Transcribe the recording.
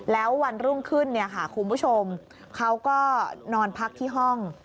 แล้ววันรุ่งขึ้นคุณผู้ชมเขาก็นอนพักที่ห้อง